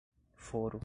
foro